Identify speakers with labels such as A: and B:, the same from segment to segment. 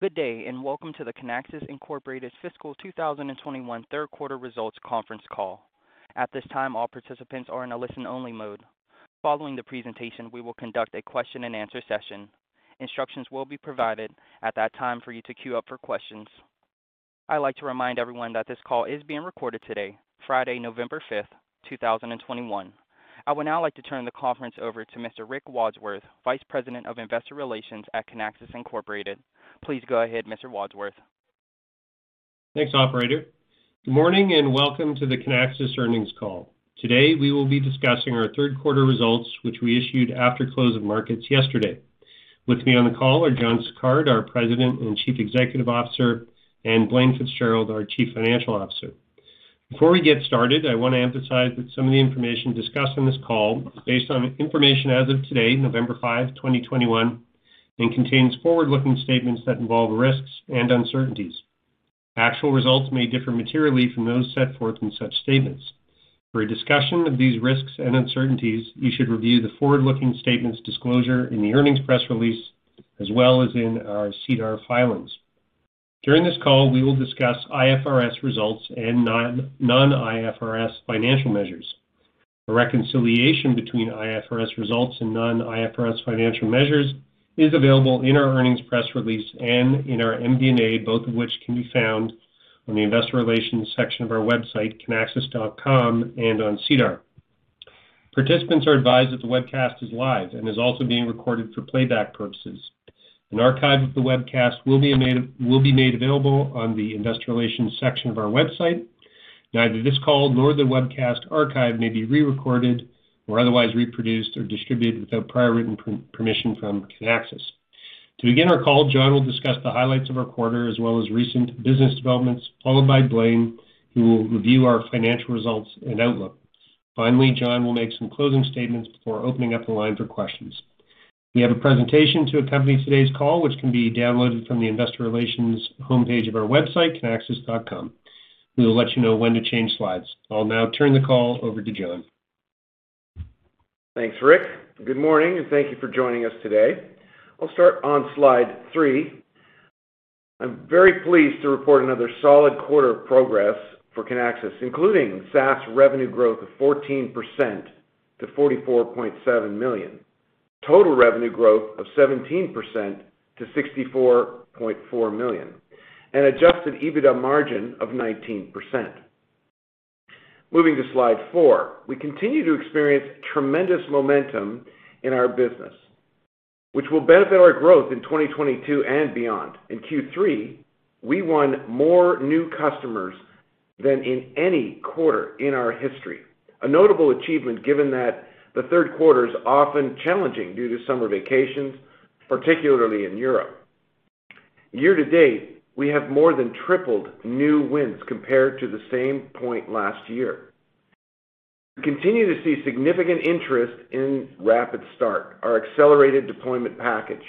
A: Good day, and welcome to the Kinaxis Inc. Fiscal 2021 Q3 results conference call. At this time, all participants are in a listen-only mode. Following the presentation, we will conduct a question-and-answer session. Instructions will be provided at that time for you to queue up for questions. I'd like to remind everyone that this call is being recorded today, Friday, November 5, 2021. I would now like to turn the conference over to Mr. Rick Wadsworth, Vice President of Investor Relations at Kinaxis Inc. Please go ahead, Mr. Wadsworth.
B: Thanks, operator. Good morning, and welcome to the Kinaxis earnings call. Today, we will be discussing our Q3 results, which we issued after close of markets yesterday. With me on the call are John Sicard, our President and Chief Executive Officer, and Blaine Fitzgerald, our Chief Financial Officer. Before we get started, I want to emphasize that some of the information discussed on this call is based on information as of today, November 5, 2021, and contains forward-looking statements that involve risks and uncertainties. Actual results may differ materially from those set forth in such statements. For a discussion of these risks and uncertainties, you should review the forward-looking statements disclosure in the earnings press release, as well as in our SEDAR filings. During this call, we will discuss IFRS results and non-IFRS financial measures. A reconciliation between IFRS results and non-IFRS financial measures is available in our earnings press release and in our MD&A, both of which can be found on the investor relations section of our website, kinaxis.com, and on SEDAR. Participants are advised that the webcast is live and is also being recorded for playback purposes. An archive of the webcast will be made available on the investor relations section of our website. Neither this call nor the webcast archive may be re-recorded or otherwise reproduced or distributed without prior written permission from Kinaxis. To begin our call, John will discuss the highlights of our quarter, as well as recent business developments, followed by Blaine, who will review our financial results and outlook. Finally, John will make some closing statements before opening up the line for questions. We have a presentation to accompany today's call, which can be downloaded from the investor relations homepage of our website, kinaxis.com. We will let you know when to change slides. I'll now turn the call over to John.
C: Thanks, Rick. Good morning, and thank you for joining us today. I'll start on slide three. I'm very pleased to report another solid quarter of progress for Kinaxis, including SaaS revenue growth of 14% to $44.7 million, total revenue growth of 17% to $64.4 million, and adjusted EBITDA margin of 19%. Moving to slide four. We continue to experience tremendous momentum in our business, which will benefit our growth in 2022 and beyond. In Q3, we won more new customers than in any quarter in our history. A notable achievement given that the Q3 is often challenging due to summer vacations, particularly in Europe. Year-to-date, we have more than tripled new wins compared to the same point last year. We continue to see significant interest in RapidStart, our accelerated deployment package,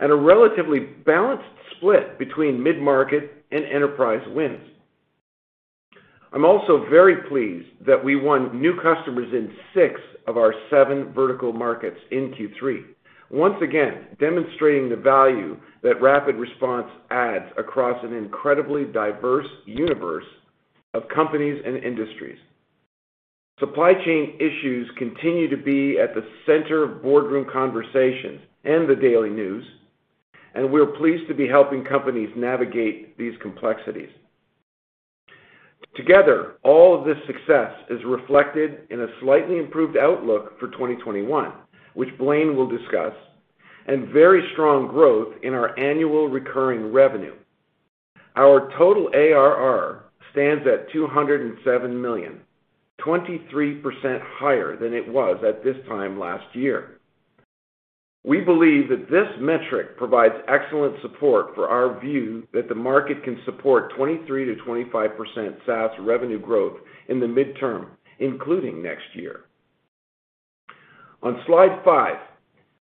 C: and a relatively balanced split between mid-market and enterprise wins. I'm also very pleased that we won new customers in six of our seven vertical markets in Q3, once again demonstrating the value that RapidResponse adds across an incredibly diverse universe of companies and industries. Supply chain issues continue to be at the center of boardroom conversations and the daily news, and we're pleased to be helping companies navigate these complexities. Together, all of this success is reflected in a slightly improved outlook for 2021, which Blaine will discuss, and very strong growth in our annual recurring revenue. Our total ARR stands at $207 million, 23% higher than it was at this time last year. We believe that this metric provides excellent support for our view that the market can support 23%-25% SaaS revenue growth in the midterm, including next year. On slide five,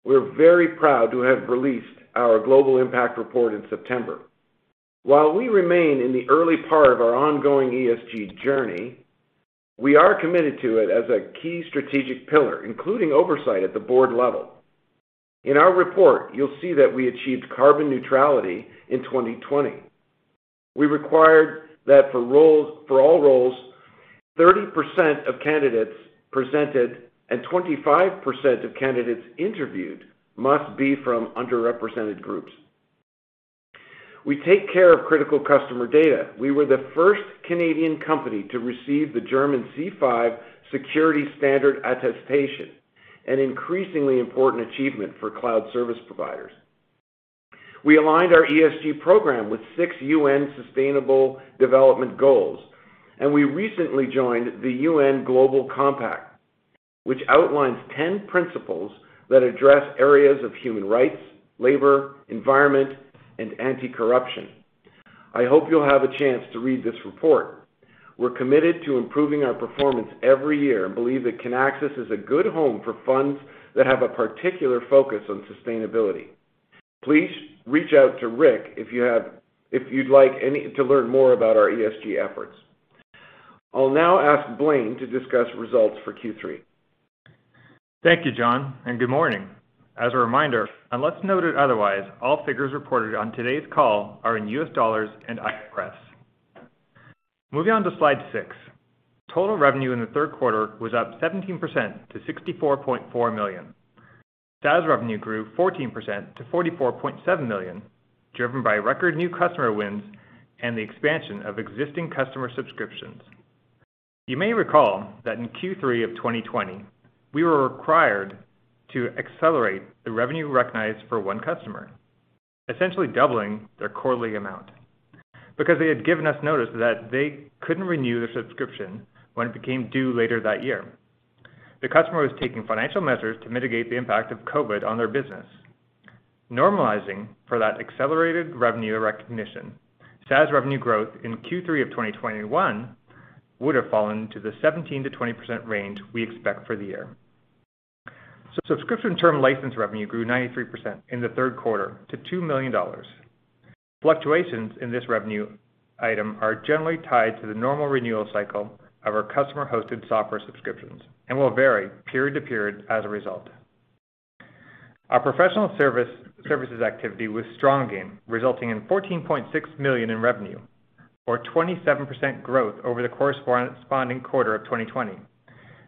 C: we're very proud to have released our Global Impact Report in September. While we remain in the early part of our ongoing ESG journey, we are committed to it as a key strategic pillar, including oversight at the board level. In our report, you'll see that we achieved carbon neutrality in 2020. We required that for all roles, 30% of candidates presented and 25% of candidates interviewed must be from underrepresented groups. We take care of critical customer data. We were the first Canadian company to receive the German C5 security standard attestation, an increasingly important achievement for cloud service providers. We aligned our ESG program with six UN Sustainable Development Goals, and we recently joined the UN Global Compact, which outlines 10 principles that address areas of human rights, labor, environment, and anti-corruption. I hope you'll have a chance to read this report. We're committed to improving our performance every year and believe that Kinaxis is a good home for funds that have a particular focus on sustainability. Please reach out to Rick if you'd like to learn more about our ESG efforts. I'll now ask Blaine to discuss results for Q3.
D: Thank you, John, and good morning. As a reminder, unless noted otherwise, all figures reported on today's call are in US dollars and IFRS. Moving on to slide six. Total revenue in the Q3 was up 17% to $64.4 million. SaaS revenue grew 14% to $44.7 million, driven by record new customer wins and the expansion of existing customer subscriptions. You may recall that in Q3 of 2020, we were required to accelerate the revenue recognized for one customer, essentially doubling their quarterly amount, because they had given us notice that they couldn't renew their subscription when it became due later that year. The customer was taking financial measures to mitigate the impact of COVID on their business. Normalizing for that accelerated revenue recognition, SaaS revenue growth in Q3 of 2021 would have fallen to the 17%-20% range we expect for the year. Subscription term license revenue grew 93% in the Q3 to $2 million. Fluctuations in this revenue item are generally tied to the normal renewal cycle of our customer-hosted software subscriptions and will vary period to period as a result. Our professional services activity was strong again, resulting in $14.6 million in revenue or 27% growth over the corresponding quarter of 2020.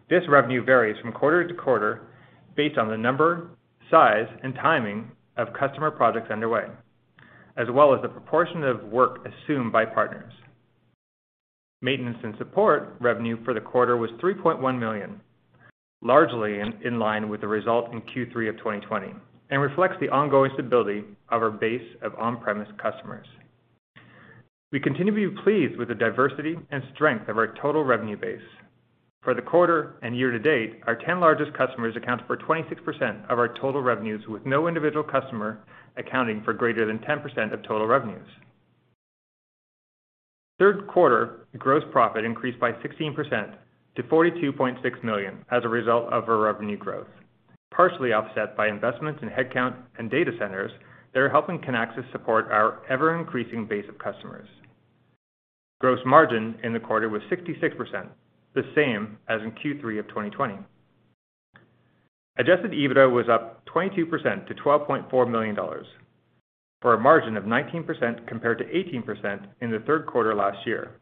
D: This revenue varies from quarter to quarter based on the number, size, and timing of customer projects underway, as well as the proportion of work assumed by partners. Maintenance and support revenue for the quarter was $3.1 million, largely in line with the result in Q3 of 2020 and reflects the ongoing stability of our base of on-premise customers. We continue to be pleased with the diversity and strength of our total revenue base. For the quarter and year to date, our 10 largest customers account for 26% of our total revenues, with no individual customer accounting for greater than 10% of total revenues. Q3 gross profit increased by 16% to $42.6 million as a result of our revenue growth, partially offset by investments in headcount and data centers that are helping Kinaxis support our ever-increasing base of customers. Gross margin in the quarter was 66%, the same as in Q3 of 2020. Adjusted EBITDA was up 22% to $12.4 million, for a margin of 19% compared to 18% in the Q3 last year.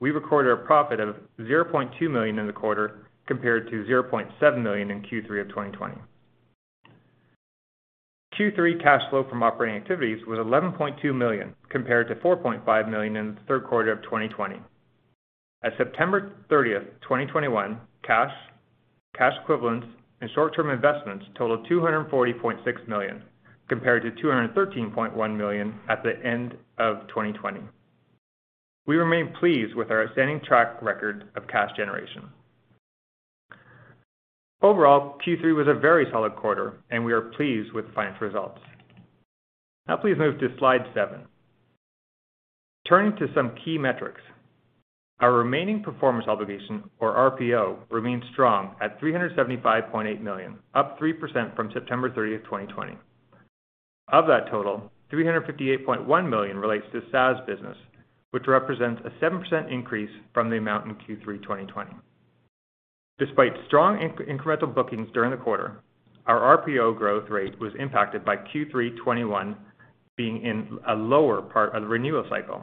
D: We recorded a profit of $0.2 million in the quarter compared to $0.7 million in Q3 of 2020. Q3 cash flow from operating activities was $11.2 million compared to $4.5 million in the Q3 of 2020. At September 30, 2021, cash equivalents and short-term investments totaled $240.6 million, compared to $213.1 million at the end of 2020. We remain pleased with our outstanding track record of cash generation. Overall, Q3 was a very solid quarter, and we are pleased with the financial results. Now please move to slide seven. Turning to some key metrics. Our remaining performance obligation, or RPO, remains strong at $375.8 million, up 3% from September 30, 2020. Of that total, $358.1 million relates to the SaaS business, which represents a 7% increase from the amount in Q3 2020. Despite strong incremental bookings during the quarter, our RPO growth rate was impacted by Q3 2021 being in a lower part of the renewal cycle.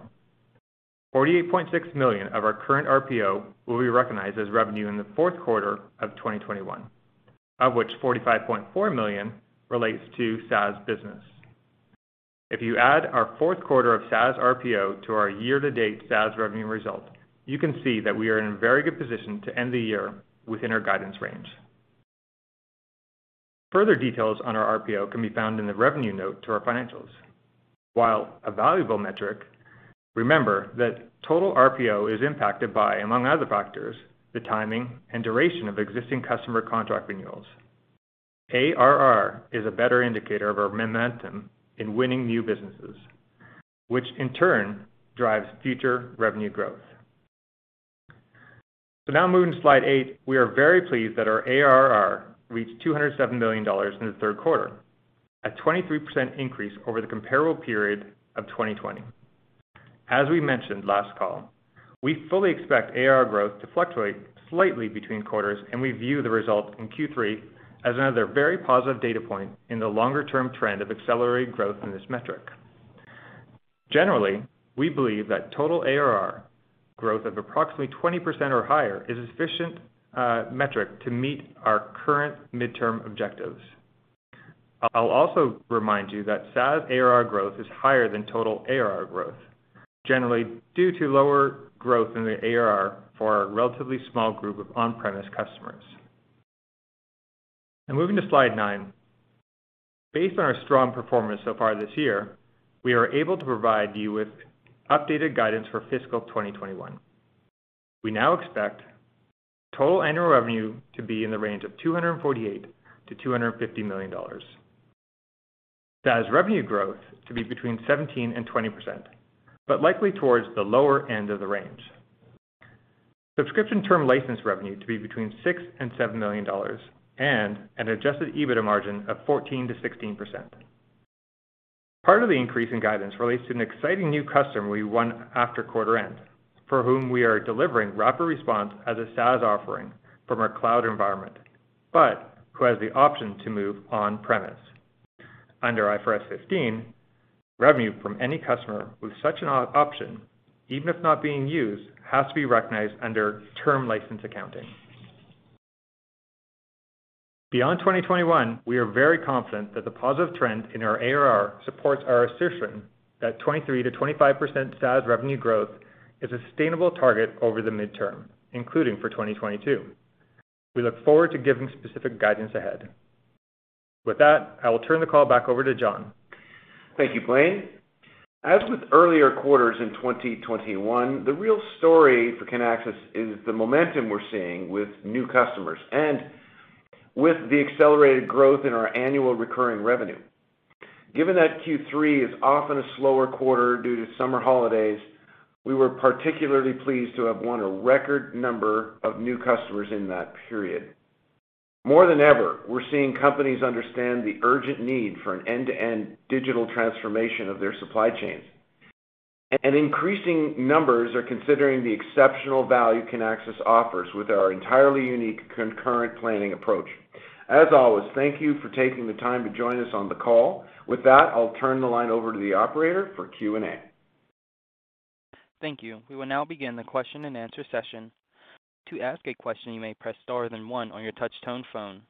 D: $48.6 million of our current RPO will be recognized as revenue in the fourth quarter of 2021, of which $45.4 million relates to SaaS business. If you add our fourth quarter of SaaS RPO to our year-to-date SaaS revenue result, you can see that we are in very good position to end the year within our guidance range. Further details on our RPO can be found in the revenue note to our financials. While a valuable metric, remember that total RPO is impacted by, among other factors, the timing and duration of existing customer contract renewals. ARR is a better indicator of our momentum in winning new businesses, which in turn drives future revenue growth. Now moving to slide 8. We are very pleased that our ARR reached $207 million in the Q3, a 23% increase over the comparable period of 2020. As we mentioned last call, we fully expect ARR growth to fluctuate slightly between quarters, and we view the result in Q3 as another very positive data point in the longer-term trend of accelerating growth in this metric. Generally, we believe that total ARR growth of approximately 20% or higher is a sufficient metric to meet our current midterm objectives. I'll also remind you that SaaS ARR growth is higher than total ARR growth, generally due to lower growth in the ARR for our relatively small group of on-premise customers. Moving to slide nine. Based on our strong performance so far this year, we are able to provide you with updated guidance for fiscal 2021. We now expect total annual revenue to be in the range of $248 million-$250 million. SaaS revenue growth to be between 17%-20%, but likely towards the lower end of the range. Subscription term license revenue to be between $6 million-$7 million and an adjusted EBITDA margin of 14%-16%. Part of the increase in guidance relates to an exciting new customer we won after quarter end, for whom we are delivering RapidResponse as a SaaS offering from our cloud environment, but who has the option to move on-premise. Under IFRS 15, revenue from any customer with such an option, even if not being used, has to be recognized under term license accounting. Beyond 2021, we are very confident that the positive trend in our ARR supports our assertion that 23%-25% SaaS revenue growth is a sustainable target over the midterm, including for 2022. We look forward to giving specific guidance ahead. With that, I will turn the call back over to John.
C: Thank you, Blaine. As with earlier quarters in 2021, the real story for Kinaxis is the momentum we're seeing with new customers and with the accelerated growth in our annual recurring revenue. Given that Q3 is often a slower quarter due to summer holidays, we were particularly pleased to have won a record number of new customers in that period. More than ever, we're seeing companies understand the urgent need for an end-to-end digital transformation of their supply chains. Increasing numbers are considering the exceptional value Kinaxis offers with our entirely unique concurrent planning approach. As always, thank you for taking the time to join us on the call. With that, I'll turn the line over to the operator for Q&A.
A: Thank you. We will now begin the question-and-answer session. To ask a question, you may press Star then one on your touch tone phone.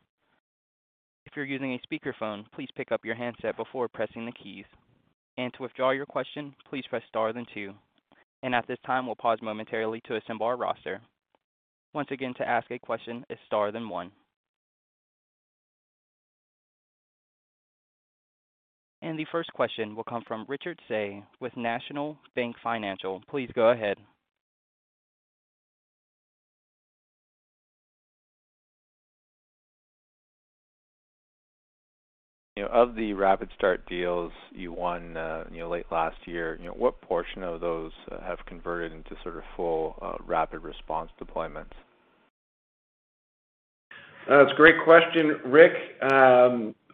A: If you're using a speakerphone, please pick up your handset before pressing the keys. To withdraw your question, please press Star then two. At this time, we'll pause momentarily to assemble our roster. Once again, to ask a question is Star then one. The first question will come from Richard Tse with National Bank Financial. Please go ahead.
E: You know, of the RapidStart deals you won, you know, late last year, you know, what portion of those have converted into sort of full, RapidResponse deployments?
C: It's a great question, Rick.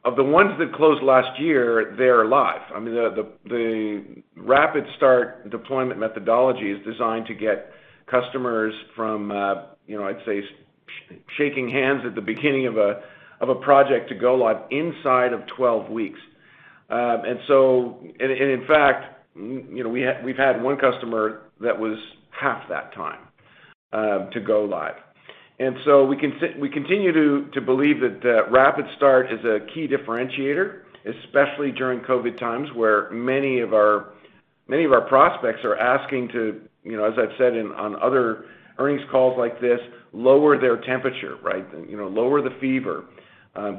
C: Of the ones that closed last year, they're live. I mean, the RapidStart deployment methodology is designed to get customers from, you know, I'd say shaking hands at the beginning of a project to go live inside of 12 weeks. In fact, you know, we've had one customer that was half that time to go live. We continue to believe that RapidStart is a key differentiator, especially during COVID times, where many of our prospects are asking to, you know, as I've said on other earnings calls like this, lower their temperature, right? You know, lower the fever,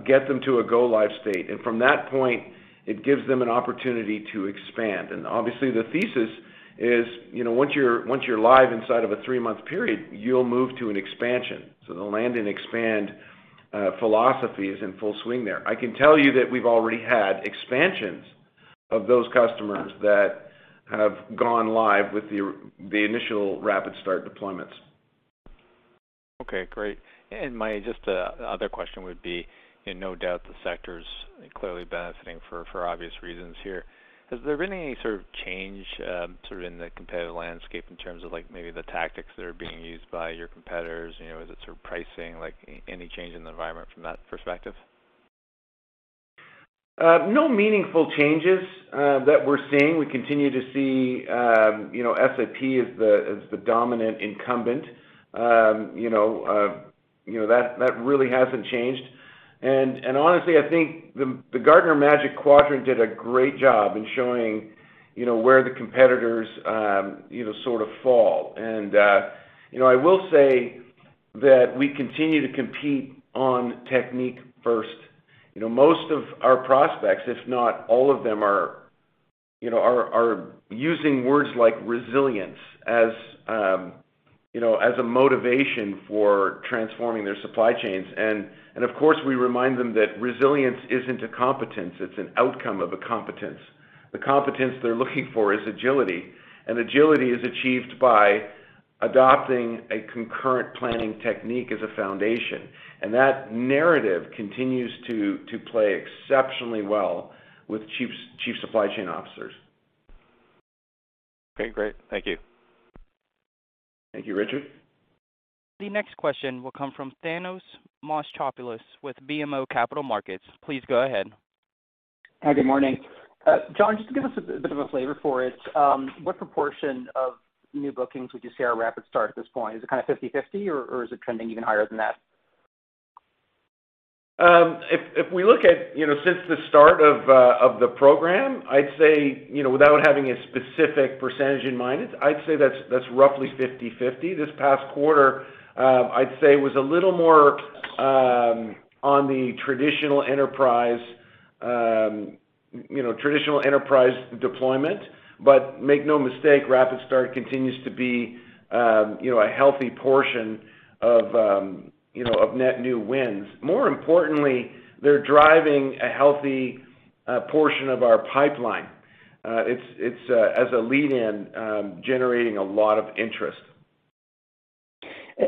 C: get them to a go live state. From that point, it gives them an opportunity to expand. Obviously the thesis is, you know, once you're live inside of a three-month period, you'll move to an expansion. The land and expand philosophy is in full swing there. I can tell you that we've already had expansions of those customers that have gone live with the initial RapidStart deployments.
E: Okay, great. My just other question would be, in no doubt the sector's clearly benefiting for obvious reasons here. Has there been any sort of change, sort of in the competitive landscape in terms of like maybe the tactics that are being used by your competitors? You know, is it sort of pricing, like any change in the environment from that perspective?
C: No meaningful changes that we're seeing. We continue to see, you know, SAP as the dominant incumbent. You know, that really hasn't changed. Honestly, I think the Gartner Magic Quadrant did a great job in showing, you know, where the competitors, you know, sort of fall. You know, I will say that we continue to compete on technique first. You know, most of our prospects, if not all of them are, you know, using words like resilience as, you know, as a motivation for transforming their supply chains. Of course, we remind them that resilience isn't a competence, it's an outcome of a competence. The competence they're looking for is agility. Agility is achieved by adopting a concurrent planning technique as a foundation. That narrative continues to play exceptionally well with chief supply chain officers.
E: Okay, great. Thank you.
C: Thank you, Richard.
A: The next question will come from Thanos Moschopoulos with BMO Capital Markets. Please go ahead.
F: Hi, good morning. John, just to give us a bit of a flavor for it, what proportion of new bookings would you say are RapidStart at this point? Is it kind of 50/50 or is it trending even higher than that?
C: If we look at you know since the start of the program, I'd say you know without having a specific percentage in mind, I'd say that's roughly 50/50. This past quarter, I'd say was a little more on the traditional enterprise you know traditional enterprise deployment. Make no mistake, RapidStart continues to be you know a healthy portion of you know of net new wins. More importantly, they're driving a healthy portion of our pipeline. It's as a lead-in generating a lot of interest.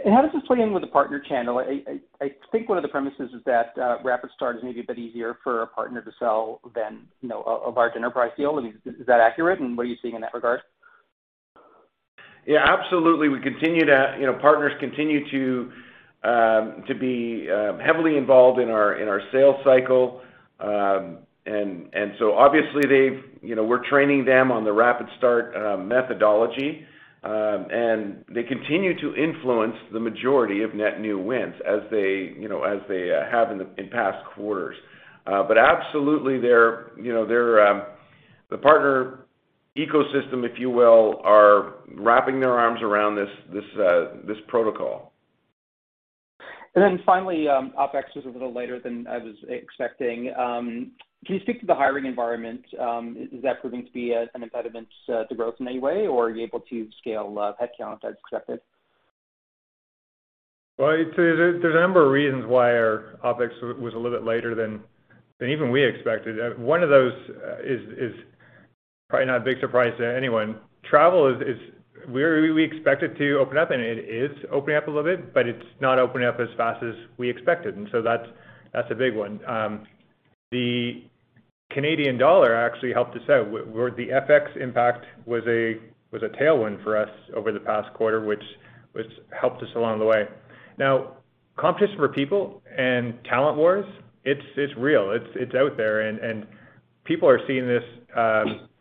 F: How does this play in with the partner channel? I think one of the premises is that RapidStart is maybe a bit easier for a partner to sell than a large enterprise deal. I mean, is that accurate, and what are you seeing in that regard?
C: Yeah, absolutely. We continue to, you know, partners continue to be heavily involved in our sales cycle. Obviously, you know, we're training them on the RapidStart methodology. They continue to influence the majority of net new wins as they, you know, have in past quarters. Absolutely, they're, you know, the partner ecosystem, if you will, are wrapping their arms around this protocol.
F: OpEx was a little later than I was expecting. Can you speak to the hiring environment? Is that proving to be an impediment to growth in any way, or are you able to scale headcount as expected?
D: Well, there's a number of reasons why our OpEx was a little bit later than even we expected. One of those is probably not a big surprise to anyone. Travel is. We expect it to open up, and it is opening up a little bit, but it's not opening up as fast as we expected, and so that's a big one. The Canadian dollar actually helped us out, where the FX impact was a tailwind for us over the past quarter, which helped us along the way. Now, competition for people and talent wars, it's real. It's out there, and people are seeing this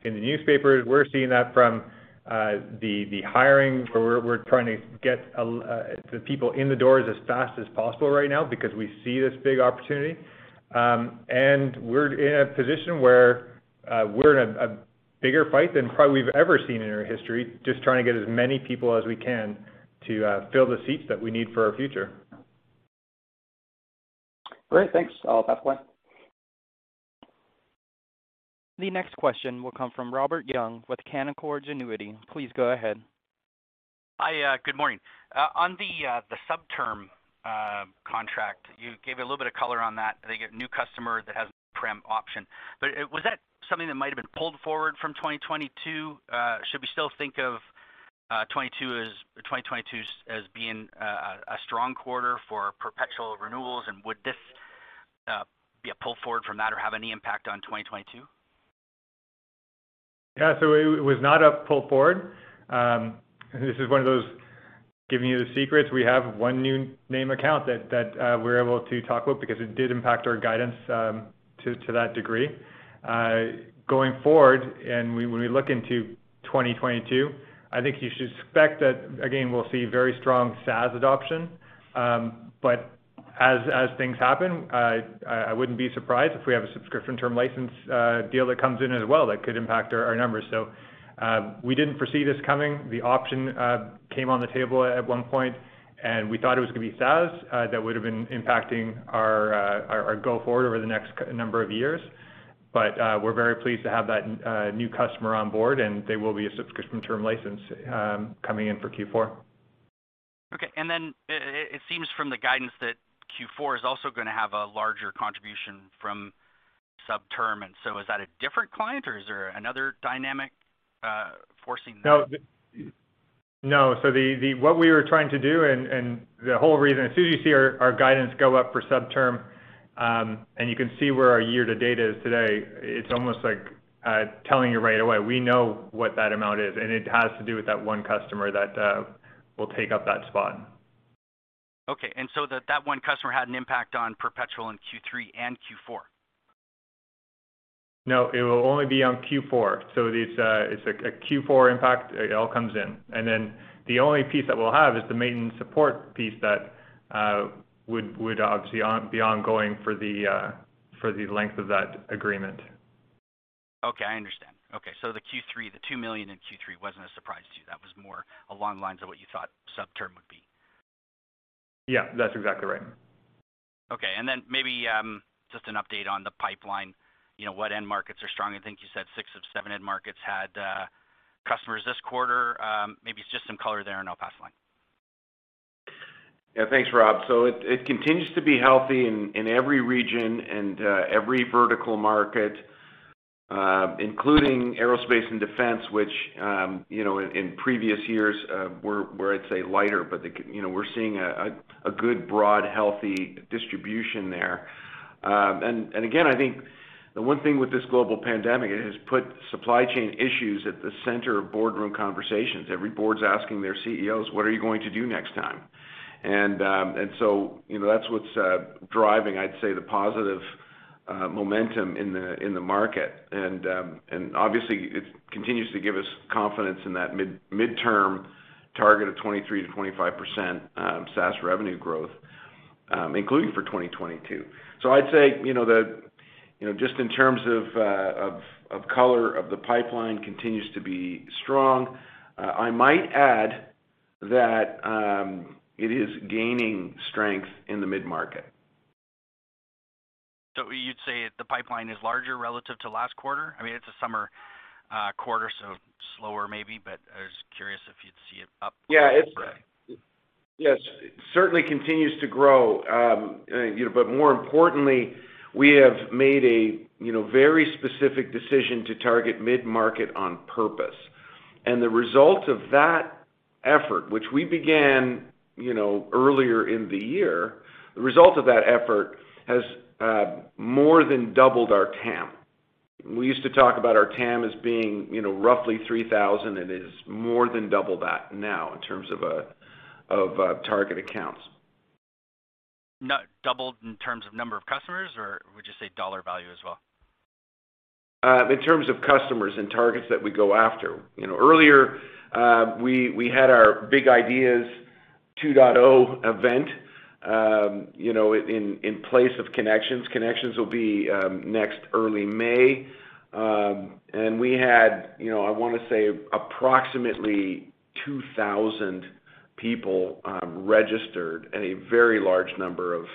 D: in the newspapers. We're seeing that from the hiring where we're trying to get the people in the doors as fast as possible right now because we see this big opportunity. We're in a position where we're in a bigger fight than probably we've ever seen in our history just trying to get as many people as we can to fill the seats that we need for our future.
F: Great. Thanks. I'll pass the line.
A: The next question will come from Robert Young with Canaccord Genuity. Please go ahead.
G: Hi, good morning. On the subscription term contract, you gave a little bit of color on that. I think a new customer that has a premium option. Was that something that might have been pulled forward from 2022? Should we still think of 2022 as being a strong quarter for perpetual renewals, and would this be a pull forward from that or have any impact on 2022?
D: Yeah. It was not a pull forward. This is one of those giving you the secrets. We have one new name account that we're able to talk about because it did impact our guidance to that degree. Going forward, when we look into 2022, I think you should expect that again. We'll see very strong SaaS adoption. As things happen, I wouldn't be surprised if we have a subscription term license deal that comes in as well that could impact our numbers. We didn't foresee this coming. The option came on the table at one point, and we thought it was going to be SaaS that would've been impacting our go forward over the next number of years. We're very pleased to have that new customer on board, and they will be a subscription term license coming in for Q4.
G: Okay. It seems from the guidance that Q4 is also going to have a larger contribution from subscription term. Is that a different client, or is there another dynamic forcing that?
D: No. What we were trying to do and the whole reason, as soon as you see our guidance go up for subterm, and you can see where our year to date is today, it's almost like telling you right away. We know what that amount is, and it has to do with that one customer that will take up that spot.
G: Okay. That one customer had an impact on perpetual in Q3 and Q4?
D: No, it will only be on Q4. It is, it's a Q4 impact. It all comes in. Then the only piece that we'll have is the maintenance support piece that would obviously be ongoing for the length of that agreement.
G: Okay. I understand. Okay. The Q3, the $2 million in Q3 wasn't a surprise to you. That was more along the lines of what you thought subscription term would be.
D: Yeah, that's exactly right.
G: Okay. Maybe just an update on the pipeline, you know, what end markets are strong. I think you said six of seven end markets had customers this quarter. Maybe just some color there, and I'll pass the line.
C: Thanks, Rob. It continues to be healthy in every region and every vertical market, including aerospace and defense, which you know, in previous years were I'd say lighter. You know, we're seeing a good, broad, healthy distribution there. Again, I think the one thing with this global pandemic, it has put supply chain issues at the center of boardroom conversations. Every board's asking their CEOs, "What are you going to do next time?" You know, that's what's driving, I'd say, the positive momentum in the market. Obviously, it continues to give us confidence in that midterm target of 23%-25% SaaS revenue growth, including for 2022. I'd say, you know, you know, just in terms of color on the pipeline continues to be strong. I might add that it is gaining strength in the mid-market.
G: You'd say the pipeline is larger relative to last quarter? I mean, it's a summer quarter, so slower maybe, but I was curious if you'd see it up from.
D: Yeah.
G: Last quarter.
D: Yes. It certainly continues to grow. You know, but more importantly, we have made a, you know, very specific decision to target mid-market on purpose.
C: The result of that effort, which we began, you know, earlier in the year, the result of that effort has more than doubled our TAM. We used to talk about our TAM as being, you know, roughly 3,000. It is more than double that now in terms of target accounts.
G: Not doubled in terms of number of customers or would you say dollar value as well?
C: In terms of customers and targets that we go after. You know, earlier, we had our Big Ideas 2.0 event, you know, in place of Kinexions. Kinexions will be in early May. You know, I want to say approximately 2,000 people registered and a very large number of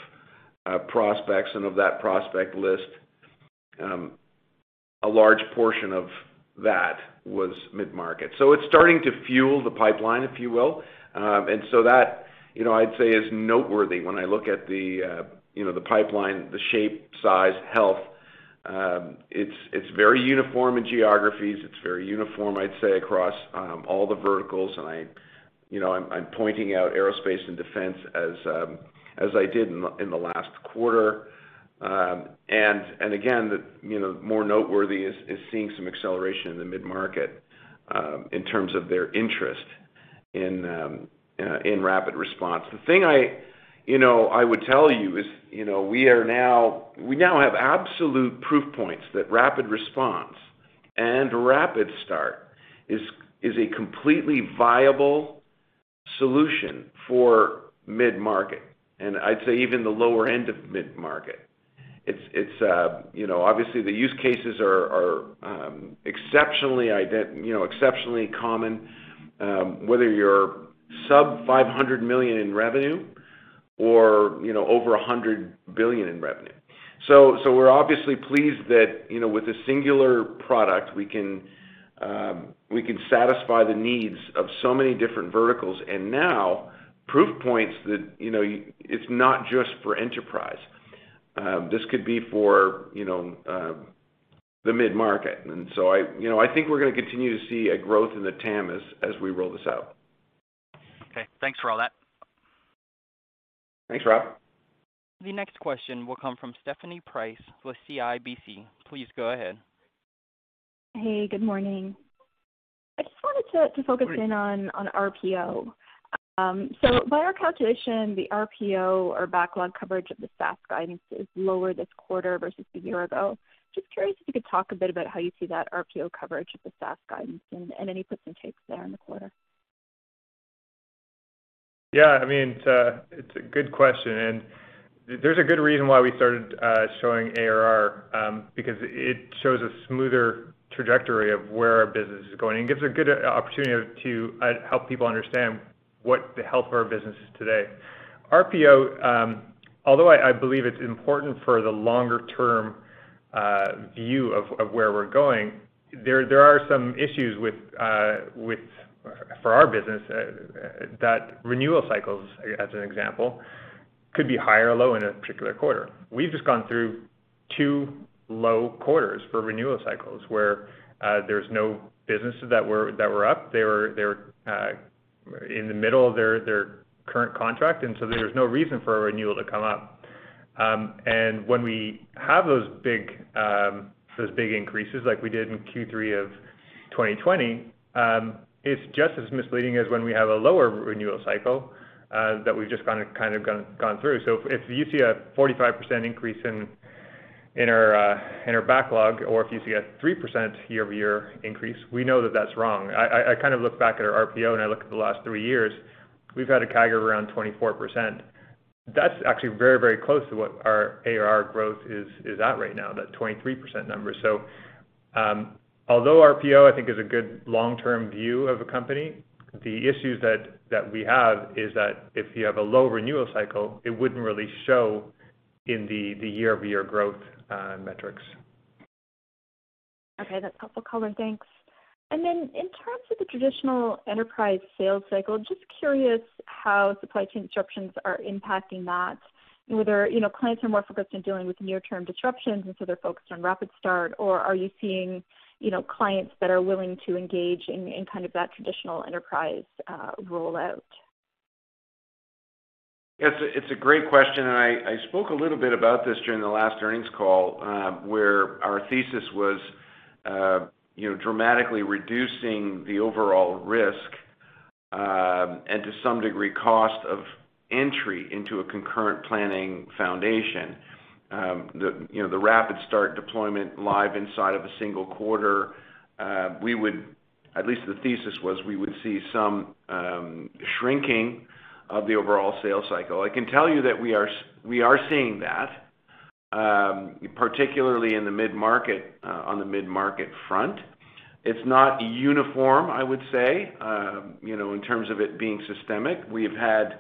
C: prospects. Of that prospect list, a large portion of that was mid-market. It's starting to fuel the pipeline, if you will. That, you know, I'd say is noteworthy when I look at the, you know, the pipeline, the shape, size, health. It's very uniform in geographies. It's very uniform, I'd say, across all the verticals. You know, I'm pointing out aerospace and defense as I did in the last quarter. Again, the more noteworthy is seeing some acceleration in the mid-market in terms of their interest in RapidResponse. The thing I would tell you is, you know, we now have absolute proof points that RapidResponse and RapidStart is a completely viable solution for mid-market, and I'd say even the lower end of mid-market. It's obviously the use cases are exceptionally common whether you're sub $500 million in revenue or, you know, over $100 billion in revenue. We're obviously pleased that, you know, with a singular product, we can satisfy the needs of so many different verticals. Now proof points that, you know, it's not just for enterprise. This could be for, you know, the mid-market. You know, I think we're going to continue to see a growth in the TAM as we roll this out.
G: Okay, thanks for all that.
C: Thanks, Rob.
A: The next question will come from Stephanie Price with CIBC. Please go ahead.
H: Hey, good morning. I just wanted to focus in on RPO. So by our calculation, the RPO or backlog coverage of the SaaS guidance is lower this quarter versus a year ago. Just curious if you could talk a bit about how you see that RPO coverage of the SaaS guidance and any puts and takes there in the quarter.
D: Yeah, I mean, it's a good question, and there's a good reason why we started showing ARR, because it shows a smoother trajectory of where our business is going, and gives a good opportunity to help people understand what the health of our business is today. RPO, although I believe it's important for the longer term view of where we're going, there are some issues with it. For our business, renewal cycles, as an example, could be high or low in a particular quarter. We've just gone through two low quarters for renewal cycles, where there's no businesses that were up. They were in the middle of their current contract, and so there's no reason for a renewal to come up. When we have those big increases like we did in Q3 of 2020, it's just as misleading as when we have a lower renewal cycle that we've just kind of gone through. If you see a 45% increase in our backlog or if you see a 3% year-over-year increase, we know that that's wrong. I kind of look back at our RPO, and I look at the last three years. We've had a CAGR around 24%. That's actually very close to what our ARR growth is at right now, that 23% number. Although RPO I think is a good long-term view of a company, the issues that we have is that if you have a low renewal cycle, it wouldn't really show in the year-over-year growth metrics.
H: Okay. That's helpful color. Thanks. Then in terms of the traditional enterprise sales cycle, just curious how supply chain disruptions are impacting that, and whether, you know, clients are more focused on dealing with near-term disruptions, and so they're focused on RapidStart or are you seeing, you know, clients that are willing to engage in kind of that traditional enterprise rollout?
C: It's a great question, and I spoke a little bit about this during the last earnings call, where our thesis was, you know, dramatically reducing the overall risk, and to some degree, cost of entry into a concurrent planning foundation. You know, the RapidStart deployment live inside of a single quarter. At least the thesis was we would see some shrinking of the overall sales cycle. I can tell you that we are seeing that, particularly in the mid-market, on the mid-market front. It's not uniform, I would say, you know, in terms of it being systemic. We've had,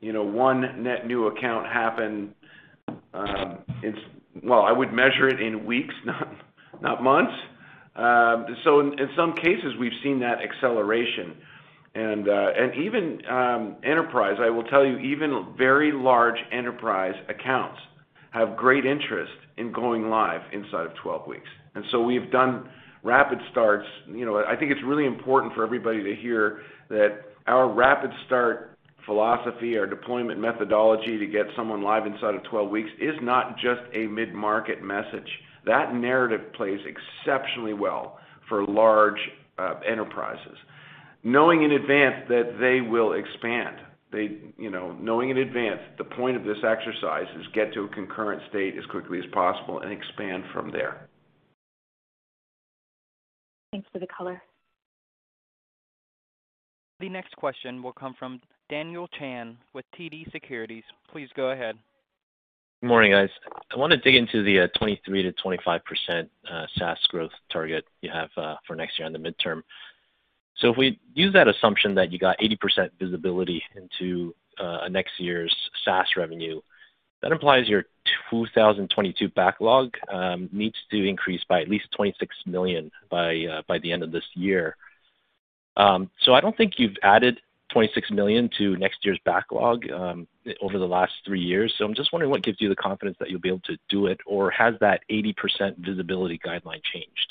C: you know, one net new account happen, well, I would measure it in weeks, not months. In some cases, we've seen that acceleration. And even enterprise, I will tell you, even very large enterprise accounts have great interest in going live inside of 12 weeks. We've done RapidStarts. You know, I think it's really important for everybody to hear that our RapidStart philosophy, our deployment methodology to get someone live inside of 12 weeks is not just a mid-market message. That narrative plays exceptionally well for large enterprises, knowing in advance that they will expand. They. You know, knowing in advance the point of this exercise is get to a concurrent state as quickly as possible and expand from there.
H: Thanks for the color.
A: The next question will come from Daniel Chan with TD Securities. Please go ahead.
I: Good morning, guys. I want to dig into the 23%-25% SaaS growth target you have for next year on the midterm. If we use that assumption that you got 80% visibility into next year's SaaS revenue, that implies your 2022 backlog needs to increase by at least $26 million by the end of this year. I don't think you've added $26 million to next year's backlog over the last three years. I'm just wondering what gives you the confidence that you'll be able to do it, or has that 80% visibility guideline changed?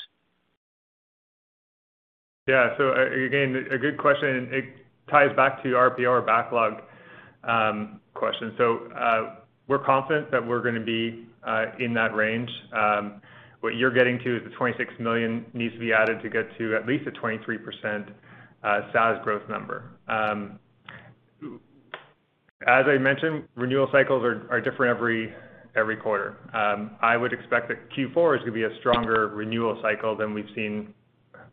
D: A good question, and it ties back to RPO or backlog question. We're confident that we're going to be in that range. What you're getting to is the $26 million needs to be added to get to at least a 23% SaaS growth number. As I mentioned, renewal cycles are different every quarter. I would expect that Q4 is going to be a stronger renewal cycle than we've seen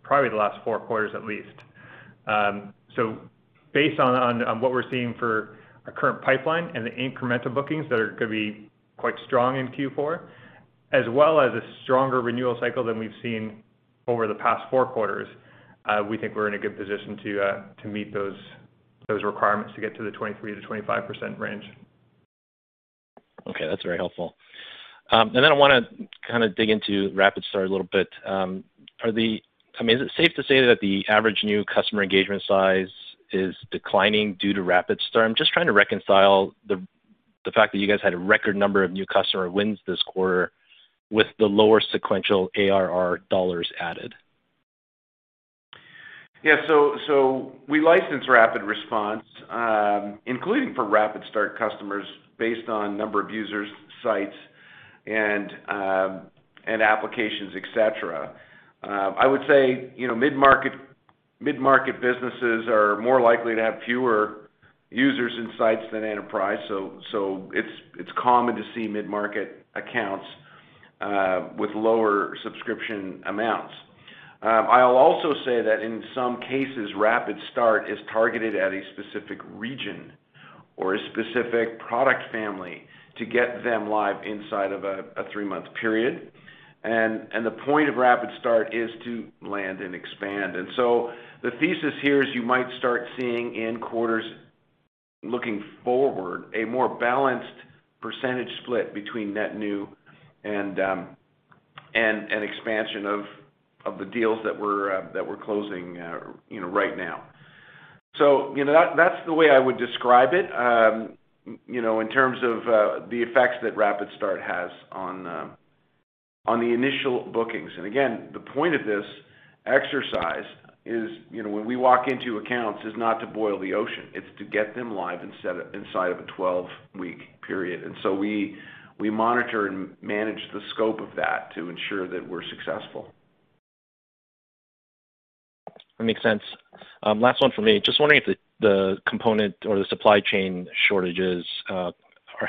D: probably the last four quarters at least. Based on what we're seeing for our current pipeline and the incremental bookings that are going to be quite strong in Q4, as well as a stronger renewal cycle than we've seen over the past four quarters, we think we're in a good position to meet those requirements to get to the 23%-25% range.
I: Okay, that's very helpful. I want to kind of dig into RapidStart a little bit. I mean, is it safe to say that the average new customer engagement size is declining due to RapidStart? I'm just trying to reconcile the fact that you guys had a record number of new customer wins this quarter with the lower sequential ARR dollars added.
C: Yeah. We license RapidResponse, including for RapidStart customers based on number of users, sites, and applications, et cetera. I would say, you know, mid-market businesses are more likely to have fewer users and sites than enterprise. It's common to see mid-market accounts with lower subscription amounts. I'll also say that in some cases, RapidStart is targeted at a specific region or a specific product family to get them live inside of a three-month period. The point of RapidStart is to land and expand. The thesis here is you might start seeing in quarters looking forward a more balanced percentage split between net new and expansion of the deals that we're closing right now. You know, that's the way I would describe it, you know, in terms of, the effects that RapidStart has on the initial bookings. Again, the point of this exercise is, you know, when we walk into accounts, is not to boil the ocean. It's to get them live instead of inside of a 12-week period. We monitor and manage the scope of that to ensure that we're successful.
I: That makes sense. Last one for me. Just wondering if the component or the supply chain shortages are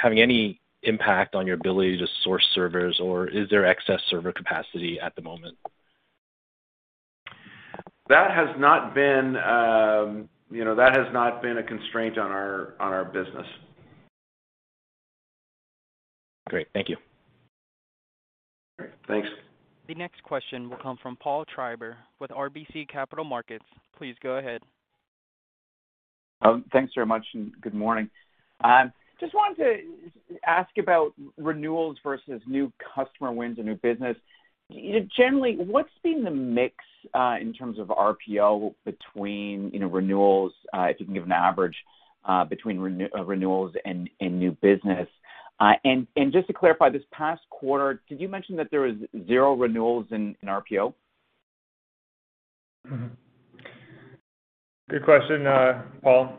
I: having any impact on your ability to source servers, or is there excess server capacity at the moment?
C: That has not been, you know, that has not been a constraint on our business.
I: Great. Thank you.
C: All right. Thanks.
A: The next question will come from Paul Treiber with RBC Capital Markets. Please go ahead.
J: Thanks very much, and good morning. Just wanted to ask about renewals versus new customer wins and new business. You know, generally, what's been the mix in terms of RPO between you know, renewals, if you can give an average between renewals and new business. Just to clarify, this past quarter, did you mention that there was zero renewals in RPO?
D: Good question, Paul.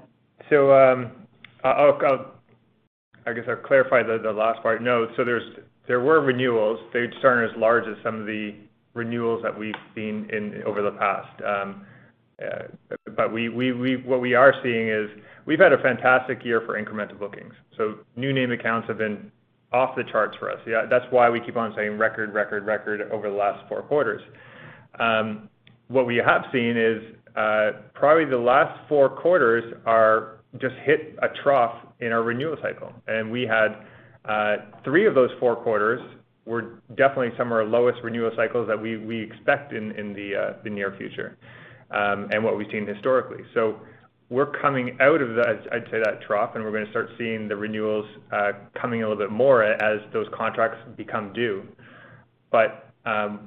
D: I guess I'll clarify the last part. No, there were renewals. They just aren't as large as some of the renewals that we've seen over the past. What we are seeing is we've had a fantastic year for incremental bookings. New name accounts have been off the charts for us. Yeah, that's why we keep on saying record over the last four quarters. What we have seen is probably the last four quarters are just hit a trough in our renewal cycle, and we had three of those four quarters were definitely some of our lowest renewal cycles that we expect in the near future, and what we've seen historically. We're coming out of that, I'd say that trough, and we're going to start seeing the renewals coming a little bit more as those contracts become due.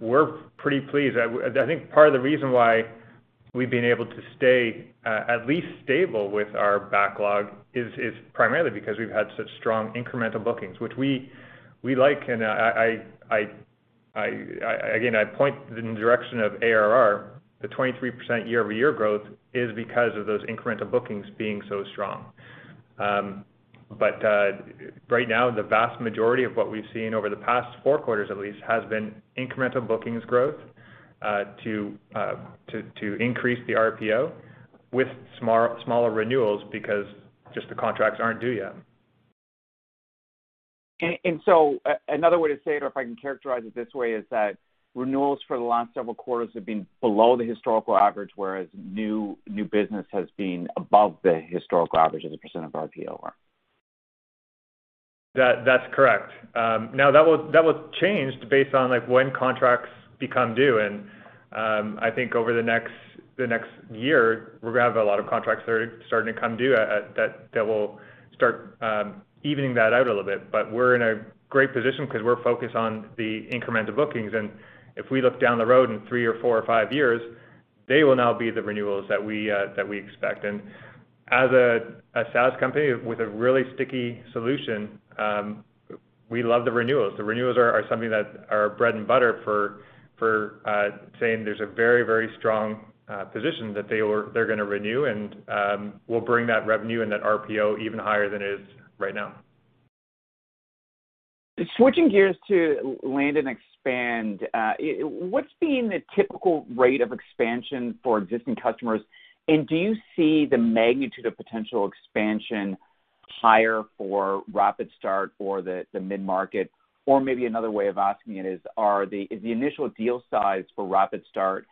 C: We're pretty pleased. I think part of the reason why we've been able to stay at least stable with our backlog is primarily because we've had such strong incremental bookings, which we like. Again, I point in the direction of ARR. The 23% year-over-year growth is because of those incremental bookings being so strong. Right now, the vast majority of what we've seen over the past four quarters at least has been incremental bookings growth to increase the RPO with smaller renewals because just the contracts aren't due yet.
J: Another way to say it, or if I can characterize it this way, is that renewals for the last several quarters have been below the historical average, whereas new business has been above the historical average as a percent of RPO.
C: That's correct. Now that will change based on, like, when contracts become due. I think over the next year, we're going to have a lot of contracts that are starting to come due, that will start evening that out a little bit. We're in a great position 'cause we're focused on the incremental bookings. If we look down the road in three or four or five years, they will now be the renewals that we expect. As a SaaS company with a really sticky solution, we love the renewals. The renewals are something that are bread and butter for saying there's a very strong position that they're going to renew and will bring that revenue and that RPO even higher than it is right now.
J: Switching gears to land and expand, what's been the typical rate of expansion for existing customers? Do you see the magnitude of potential expansion higher for RapidStart or the mid-market? Or maybe another way of asking it is the initial deal size for RapidStart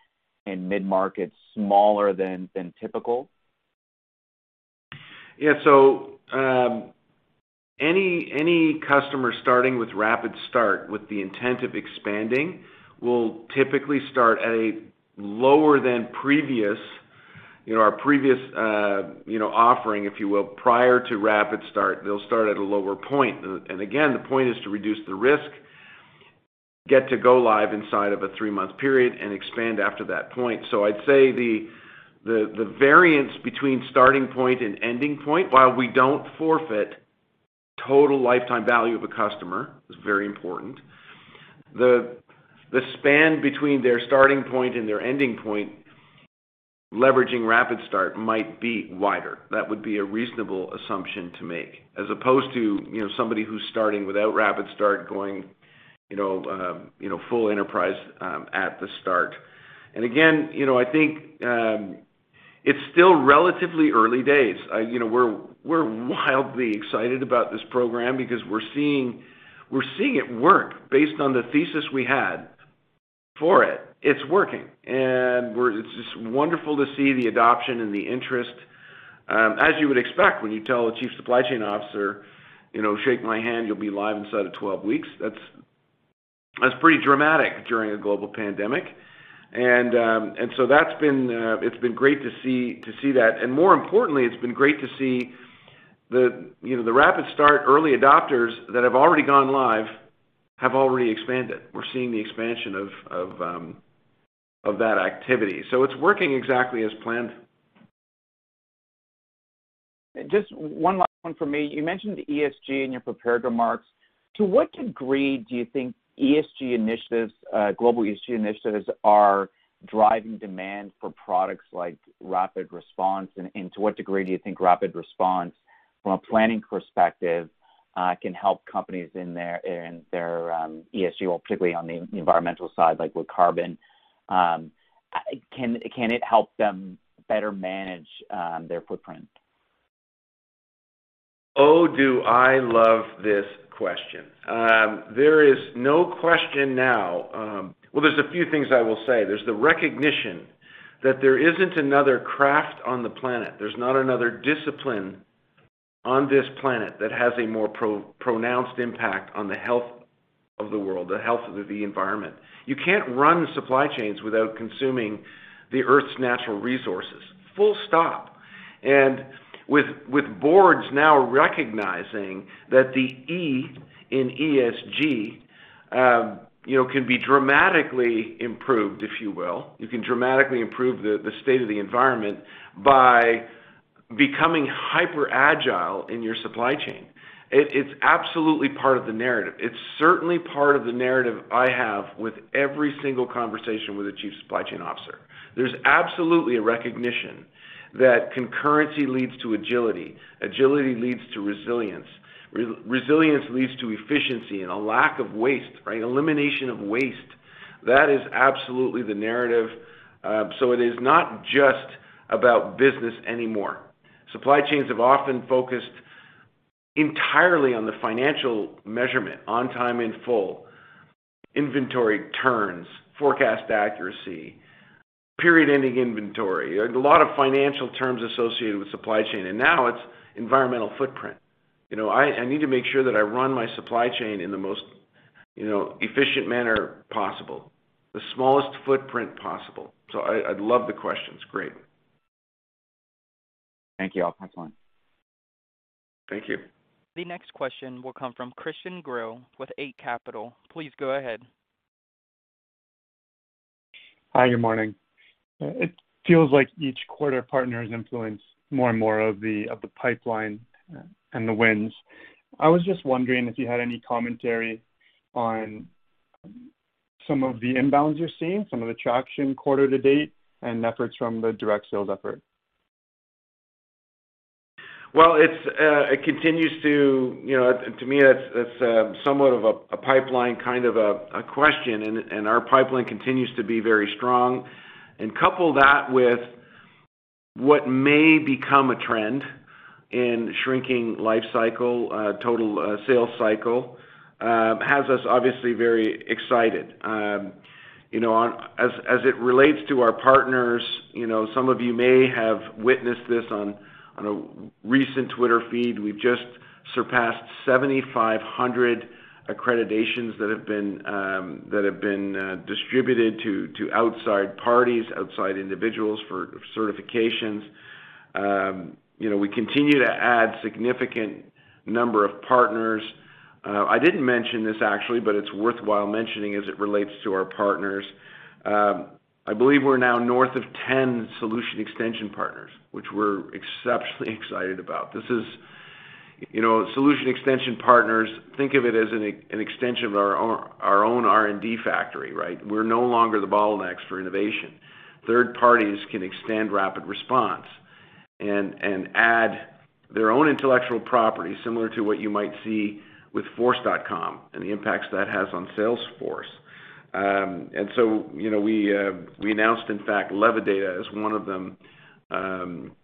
J: and mid-market smaller than typical?
C: Yeah. Any customer starting with RapidStart with the intent of expanding will typically start at a lower than previous, you know, our previous, you know, offering, if you will. Prior to RapidStart, they'll start at a lower point. Again, the point is to reduce the risk, get to go live inside of a three-month period, and expand after that point. I'd say the variance between starting point and ending point, while we don't forfeit total lifetime value of a customer, is very important. The span between their starting point and their ending point, leveraging RapidStart might be wider. That would be a reasonable assumption to make, as opposed to, you know, somebody who's starting without RapidStart going, you know, full enterprise, at the start. Again, you know, I think it's still relatively early days. You know, we're wildly excited about this program because we're seeing it work based on the thesis we had for it. It's working, and it's just wonderful to see the adoption and the interest. As you would expect, when you tell a chief supply chain officer, you know, "Shake my hand, you'll be live inside of 12 weeks," that's pretty dramatic during a global pandemic. That's been great to see that. More importantly, it's been great to see the, you know, the RapidStart early adopters that have already gone live, have already expanded. We're seeing the expansion of that activity. So it's working exactly as planned.
J: Just one last one for me. You mentioned ESG in your prepared remarks. To what degree do you think ESG initiatives, global ESG initiatives are driving demand for products like RapidResponse? And to what degree do you think RapidResponse from a planning perspective can help companies in their ESG, well, particularly on the environmental side, like with carbon? Can it help them better manage their footprint?
C: Oh, do I love this question. Well, there's a few things I will say. There's the recognition that there isn't another craft on the planet, there's not another discipline on this planet that has a more pronounced impact on the health of the world, the health of the environment. You can't run supply chains without consuming the Earth's natural resources, full stop. With boards now recognizing that the E in ESG, you know, can be dramatically improved, if you will. You can dramatically improve the state of the environment by becoming hyper agile in your supply chain. It's absolutely part of the narrative. It's certainly part of the narrative I have with every single conversation with a chief supply chain officer. There's absolutely a recognition that concurrency leads to agility leads to resilience leads to efficiency and a lack of waste, right? Elimination of waste. That is absolutely the narrative. It is not just about business anymore. Supply chains have often focused entirely on the financial measurement, on time in full, inventory turns, forecast accuracy, period ending inventory. A lot of financial terms associated with supply chain, and now it's environmental footprint. You know, I need to make sure that I run my supply chain in the most, you know, efficient manner possible, the smallest footprint possible. I love the question. It's great.
J: Thank you. I'll pass on.
C: Thank you.
A: The next question will come from Christian Sgro with Eight Capital. Please go ahead.
K: Hi, good morning. It feels like each quarter partners influence more and more of the pipeline and the wins. I was just wondering if you had any commentary on some of the inbounds you're seeing, some of the traction quarter to date and efforts from the direct sales effort?
C: It continues to, you know. To me, that's somewhat of a pipeline kind of a question, and our pipeline continues to be very strong. Couple that with what may become a trend in shrinking life cycle total sales cycle has us obviously very excited. You know, as it relates to our partners, you know, some of you may have witnessed this on a recent Twitter feed. We've just surpassed 7,500 accreditations that have been distributed to outside parties, outside individuals for certifications. You know, we continue to add significant number of partners. I didn't mention this actually, but it's worthwhile mentioning as it relates to our partners. I believe we're now north of 10 Solution Extension partners, which we're exceptionally excited about. This is, you know, Solution Extension partners, think of it as an extension of our own R&D factory, right. We're no longer the bottlenecks for innovation. Third parties can extend RapidResponse and add their own intellectual property, similar to what you might see with Force.com and the impacts that has on Salesforce. You know, we announced, in fact, LevaData as one of them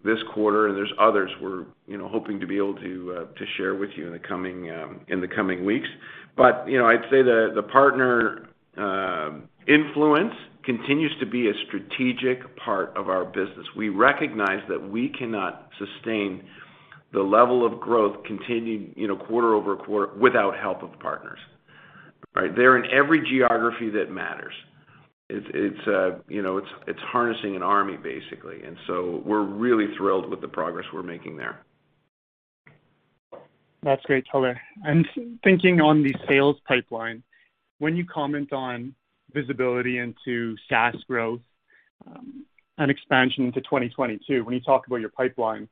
C: this quarter, and there's others we're, you know, hoping to be able to share with you in the coming weeks. You know, I'd say the partner influence continues to be a strategic part of our business. We recognize that we cannot sustain the level of growth continuing, you know, quarter-over-quarter without help of partners. All right. They're in every geography that matters. It's you know, it's harnessing an army, basically. We're really thrilled with the progress we're making there.
K: That's great, Tyler. Thinking on the sales pipeline, when you comment on visibility into SaaS growth, and expansion into 2022, when you talk about your pipeline,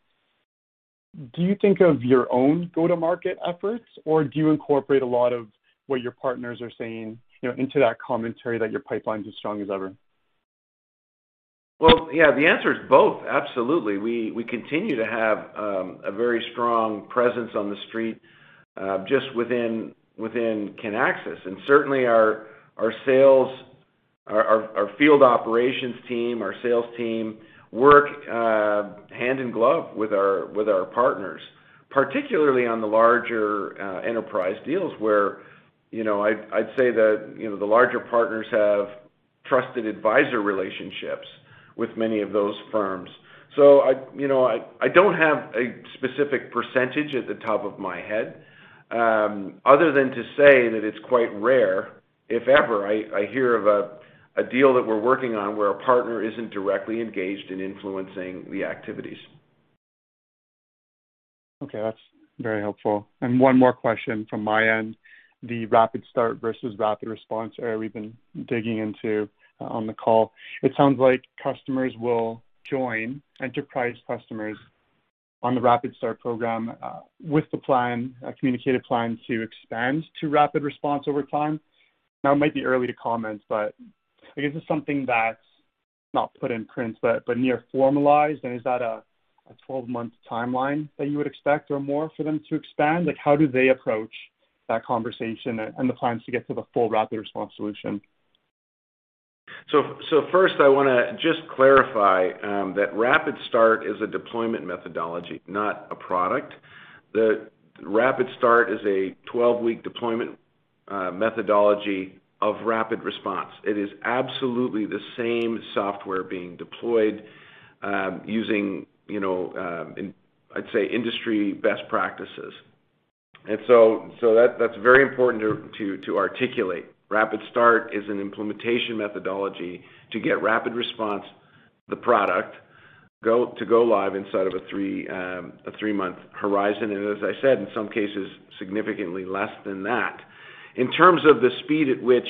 K: do you think of your own go-to-market efforts, or do you incorporate a lot of what your partners are saying, you know, into that commentary that your pipeline's as strong as ever?
C: Well, yeah, the answer is both. Absolutely. We continue to have a very strong presence on the street just within Kinaxis. Certainly our sales, our field operations team, our sales team work hand in glove with our partners, particularly on the larger enterprise deals where you know I'd say that you know the larger partners have trusted advisor relationships with many of those firms. I you know I don't have a specific percentage at the top of my head other than to say that it's quite rare if ever I hear of a deal that we're working on where a partner isn't directly engaged in influencing the activities.
K: Okay. That's very helpful. One more question from my end. The RapidStart versus RapidResponse area we've been digging into on the call. It sounds like customers will join enterprise customers on the RapidStart program with the plan, a communicated plan to expand to RapidResponse over time. Now, it might be early to comment, but I guess it's something that's not put in print, but near formalized. Is that a 12 month timeline that you would expect or more for them to expand? Like, how do they approach that conversation and the plans to get to the full RapidResponse solution?
C: First I want to just clarify that RapidStart is a deployment methodology, not a product. The RapidStart is a 12-week deployment methodology of RapidResponse. It is absolutely the same software being deployed using you know in I'd say industry best practices. That's very important to articulate. RapidStart is an implementation methodology to get RapidResponse, the product, to go live inside of a three month horizon. As I said, in some cases, significantly less than that. In terms of the speed at which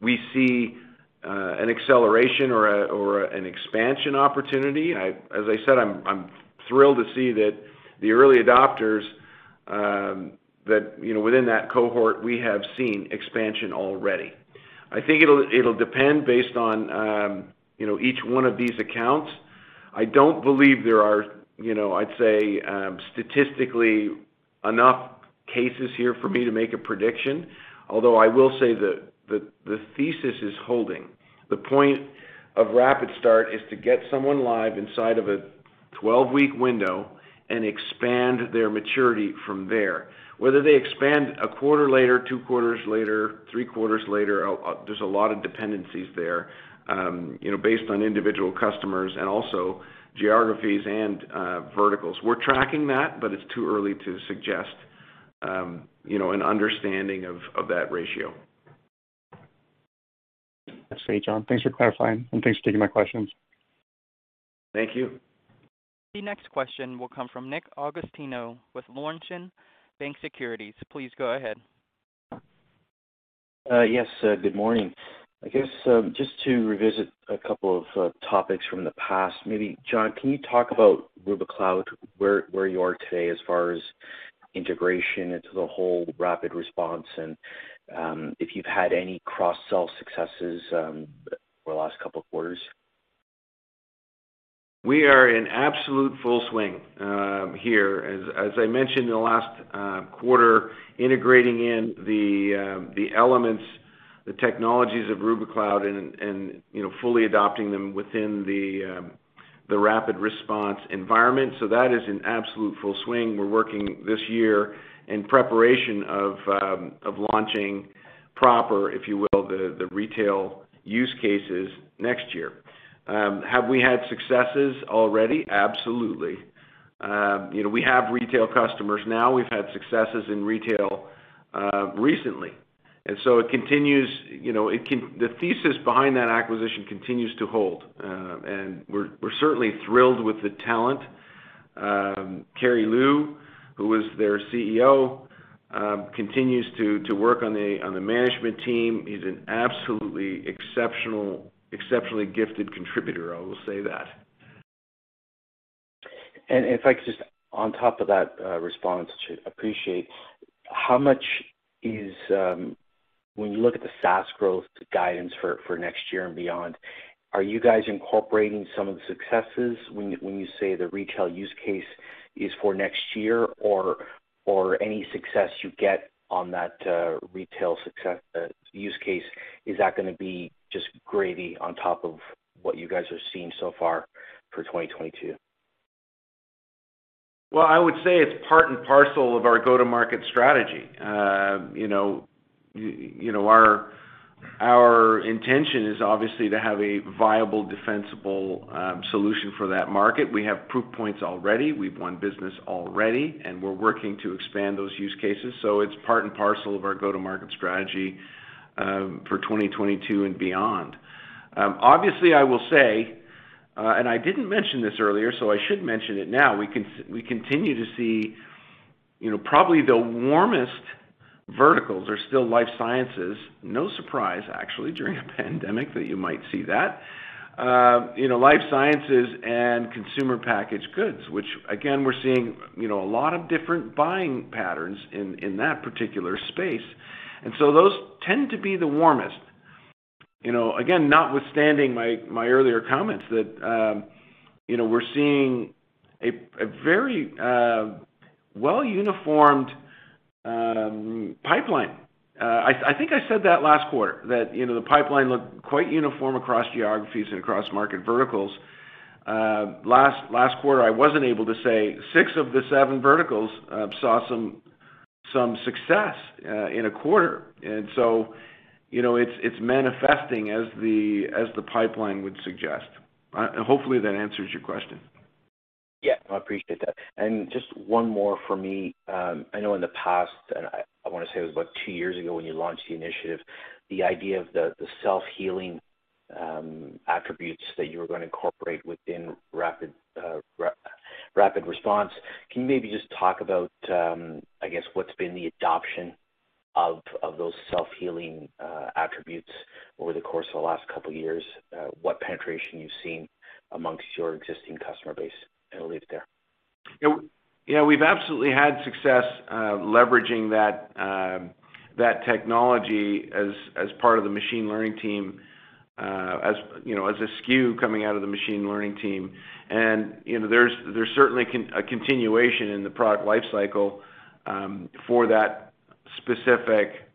C: we see an acceleration or an expansion opportunity, as I said, I'm thrilled to see that the early adopters you know within that cohort we have seen expansion already. I think it'll depend based on, you know, each one of these accounts. I don't believe there are, you know, I'd say, statistically enough cases here for me to make a prediction. Although I will say the thesis is holding. The point of RapidStart is to get someone live inside of a 12-week window and expand their maturity from there. Whether they expand a quarter later, two quarters later, three quarters later, there's a lot of dependencies there, you know, based on individual customers and also geographies and, verticals. We're tracking that, but it's too early to suggest, you know, an understanding of that ratio.
K: That's great, John. Thanks for clarifying, and thanks for taking my questions.
C: Thank you.
A: The next question will come from Nick Agostino with Laurentian Bank Securities. Please go ahead.
L: Yes, good morning. I guess, just to revisit a couple of topics from the past, maybe, John, can you talk about Rubikloud, where you are today as far as integration into the whole RapidResponse and, if you've had any cross-sell successes, over the last couple of quarters?
C: We are in absolute full swing here. As I mentioned in the last quarter, integrating the elements, the technologies of Rubikloud and you know, fully adopting them within the RapidResponse environment. That is in absolute full swing. We're working this year in preparation of launching proper, if you will, the retail use cases next year. Have we had successes already? Absolutely. You know, we have retail customers now. We've had successes in retail recently, and so it continues, you know. The thesis behind that acquisition continues to hold. We're certainly thrilled with the talent. Kerry Liu, who was their CEO, continues to work on the management team. He's an exceptionally gifted contributor, I will say that.
L: If I could just on top of that response, which I appreciate, how much is, when you look at the SaaS growth guidance for next year and beyond, are you guys incorporating some of the successes when you say the retail use case is for next year or any success you get on that retail success use case, is that going to be just gravy on top of what you guys are seeing so far for 2022?
C: Well, I would say it's part and parcel of our go-to-market strategy. You know, our intention is obviously to have a viable defensible solution for that market. We have proof points already. We've won business already, and we're working to expand those use cases. It's part and parcel of our go-to-market strategy for 2022 and beyond. Obviously, I will say, and I didn't mention this earlier, so I should mention it now. We continue to see, you know, probably the warmest verticals are still life sciences. No surprise, actually, during a pandemic that you might see that. You know, life sciences and consumer packaged goods, which again, we're seeing, you know, a lot of different buying patterns in that particular space. Those tend to be the warmest. You know, again, notwithstanding my earlier comments that, you know, we're seeing a very uniform pipeline. I think I said that last quarter that, you know, the pipeline looked quite uniform across geographies and across market verticals. Last quarter, I wasn't able to say six of the seven verticals saw some success in a quarter. You know, it's manifesting as the pipeline would suggest. Hopefully that answers your question.
L: Yeah, I appreciate that. Just one more for me. I know in the past, I want to say it was about two years ago when you launched the initiative, the idea of the self-healing attributes that you were going to incorporate within RapidResponse. Can you maybe just talk about, I guess, what's been the adoption of those self-healing attributes over the course of the last couple of years, what penetration you've seen amongst your existing customer base? I'll leave it there.
C: You know, we've absolutely had success leveraging that technology as part of the machine learning team, you know, as a SKU coming out of the machine learning team. You know, there's certainly a continuation in the product life cycle for that specific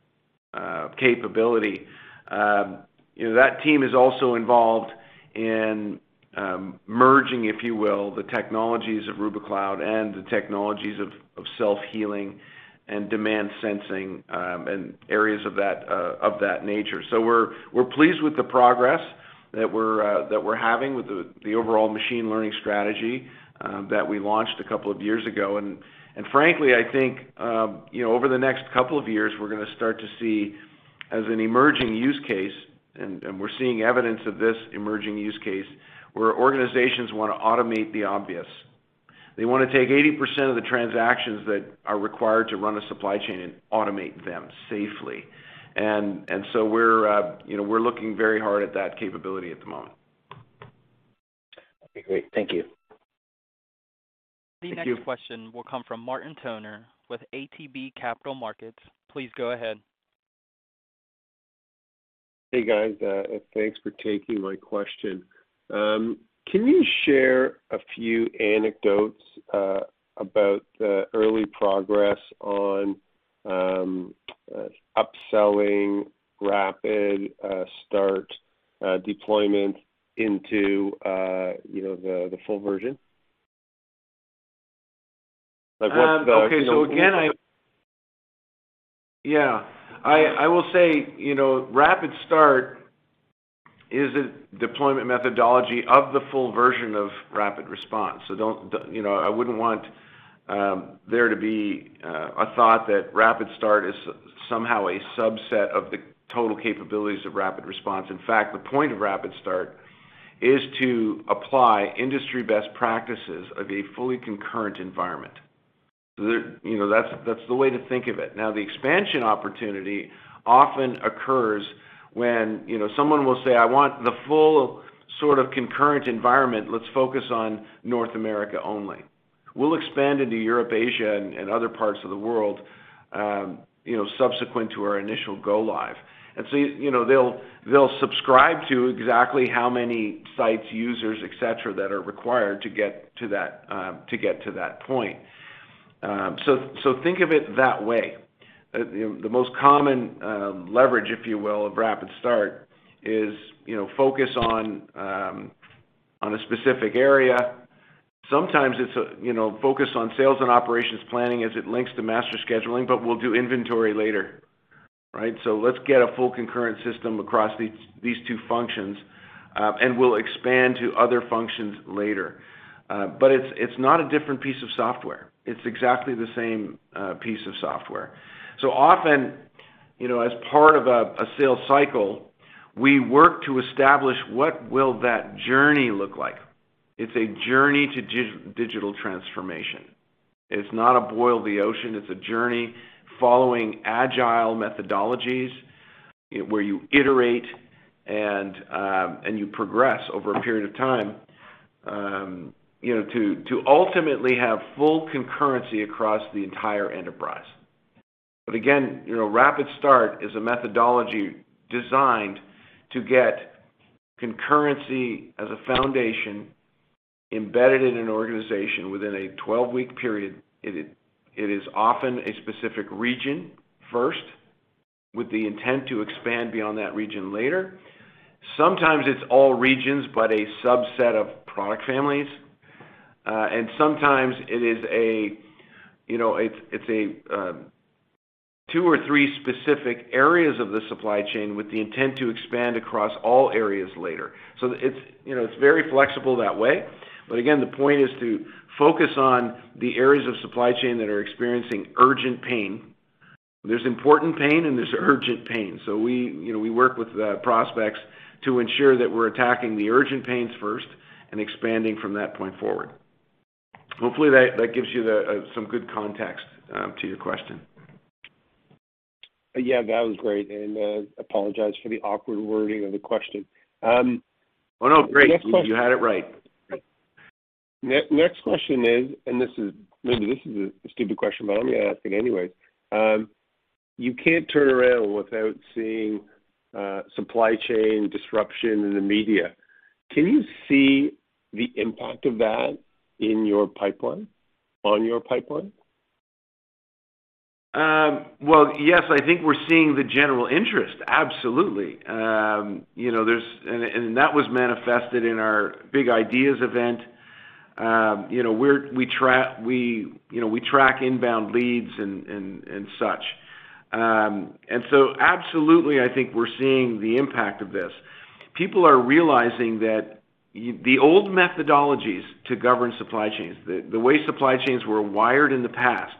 C: capability. You know, that team is also involved in merging, if you will, the technologies of Rubikloud and the technologies of self-healing and demand sensing, and areas of that nature. We're pleased with the progress that we're having with the overall machine learning strategy that we launched a couple of years ago. Frankly, I think, you know, over the next couple of years, we're going to start to see as an emerging use case, and we're seeing evidence of this emerging use case, where organizations want to automate the obvious. They want to take 80% of the transactions that are required to run a supply chain and automate them safely. You know, we're looking very hard at that capability at the moment.
L: Okay, great. Thank you.
C: Thank you.
A: The next question will come from Martin Toner with ATB Capital Markets. Please go ahead.
M: Hey, guys. Thanks for taking my question. Can you share a few anecdotes about the early progress on upselling RapidStart deployment into you know, the full version? Like, what's the you know-
C: I will say, you know, RapidStart is a deployment methodology of the full version of RapidResponse. Don't, you know, I wouldn't want there to be a thought that RapidStart is somehow a subset of the total capabilities of RapidResponse. In fact, the point of RapidStart is to apply industry-best practices of a fully concurrent environment. You know, that's the way to think of it. Now, the expansion opportunity often occurs when, you know, someone will say, "I want the full sort of concurrent environment. Let's focus on North America only. We'll expand into Europe, Asia, and other parts of the world, you know, subsequent to our initial go live." You know, they'll subscribe to exactly how many sites, users, et cetera, that are required to get to that point. So, think of it that way. You know, the most common leverage, if you will, of RapidStart is, you know, focus on a specific area. Sometimes it's, you know, focus on sales and operations planning as it links to master scheduling, but we'll do inventory later, right? So let's get a full concurrent system across these two functions, and we'll expand to other functions later. But it's not a different piece of software. It's exactly the same piece of software. Often, you know, as part of a sales cycle, we work to establish what will that journey look like. It's a journey to digital transformation. It's not a boil the ocean, it's a journey following agile methodologies where you iterate and you progress over a period of time, you know, to ultimately have full concurrency across the entire enterprise. But again, you know, RapidStart is a methodology designed to get concurrency as a foundation embedded in an organization within a 12-week period. It is often a specific region first with the intent to expand beyond that region later. Sometimes it's all regions, but a subset of product families. And sometimes it is, you know, it's a two or three specific areas of the supply chain with the intent to expand across all areas later. It's, you know, it's very flexible that way. Again, the point is to focus on the areas of supply chain that are experiencing urgent pain. There's important pain and there's urgent pain. We, you know, we work with prospects to ensure that we're attacking the urgent pains first and expanding from that point forward. Hopefully that gives you some good context to your question.
M: Yeah, that was great. I apologize for the awkward wording of the question.
C: Oh, no. Great.
M: Next question.
C: You had it right.
M: Next question is. Maybe this is a stupid question, but I'm going to ask it anyways. You can't turn around without seeing supply chain disruption in the media. Can you see the impact of that in your pipeline?
C: Well, yes, I think we're seeing the general interest, absolutely. You know, that was manifested in our Big Ideas event. You know, we track inbound leads and such. Absolutely, I think we're seeing the impact of this. People are realizing that the old methodologies to govern supply chains, the way supply chains were wired in the past,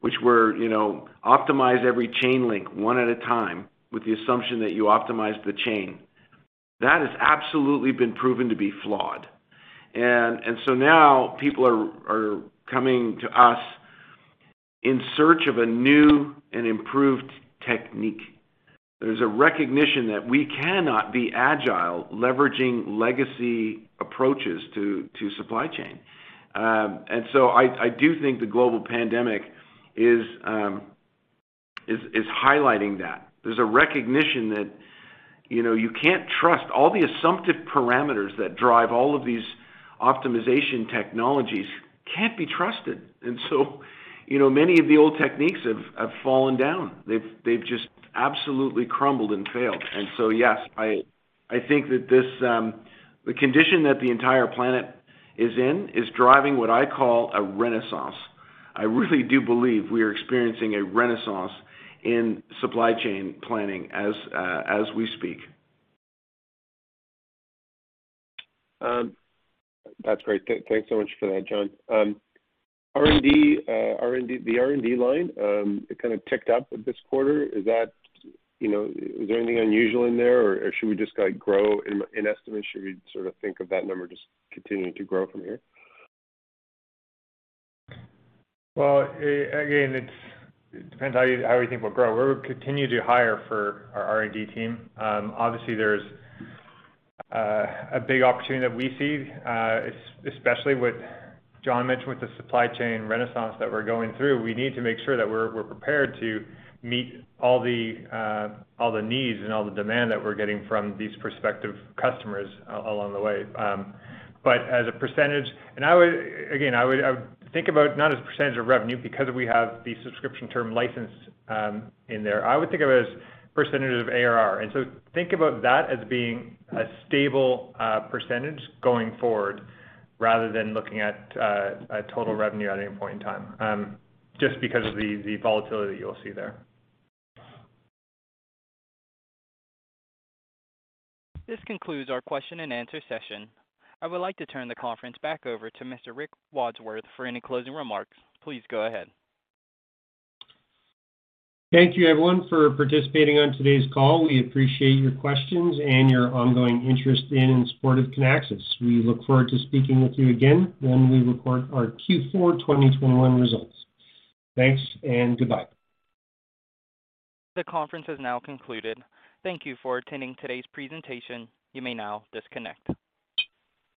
C: which were, you know, optimize every chain link one at a time with the assumption that you optimize the chain, that has absolutely been proven to be flawed. Now people are coming to us in search of a new and improved technique. There's a recognition that we cannot be agile leveraging legacy approaches to supply chain. I do think the global pandemic is highlighting that. There's a recognition that, you know, you can't trust all the assumptive parameters that drive all of these optimization technologies can't be trusted. You know, many of the old techniques have fallen down. They've just absolutely crumbled and failed. Yes, I think that this, the condition that the entire planet is in is driving what I call a renaissance. I really do believe we are experiencing a renaissance in supply chain planning as we speak.
M: That's great. Thanks so much for that, John. R&D, the R&D line, it kind of ticked up this quarter. Is that, you know, is there anything unusual in there or should we just, like, grow in estimates? Should we sort of think of that number just continuing to grow from here?
D: Well, again, it depends how we think we'll grow. We're continuing to hire for our R&D team. Obviously, there's a big opportunity that we see, especially what John mentioned with the supply chain renaissance that we're going through. We need to make sure that we're prepared to meet all the needs and all the demand that we're getting from these prospective customers along the way. But as a percentage, I would think about not as a percentage of revenue because we have the subscription term license in there. I would think of it as percentage of ARR. Think about that as being a stable percentage going forward rather than looking at a total revenue at any point in time, just because of the volatility you'll see there.
A: This concludes our question and answer session. I would like to turn the conference back over to Mr. Rick Wadsworth for any closing remarks. Please go ahead.
B: Thank you everyone for participating on today's call. We appreciate your questions and your ongoing interest in and support of Kinaxis. We look forward to speaking with you again when we report our Q4 of 2021 results. Thanks and goodbye.
A: The conference has now concluded. Thank you for attending today's presentation. You may now disconnect.